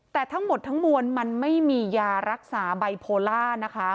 แต่ทั้งหมดทั้งมวลมันไม่มียารักษาไบโพล่านะคะ